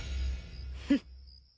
フッ。